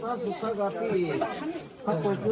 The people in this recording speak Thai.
ชาวบ้านในพื้นที่บอกว่าปกติผู้ตายเขาก็อยู่กับสามีแล้วก็ลูกสองคนนะฮะ